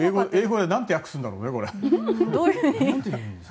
英語で何て訳すんだろうね。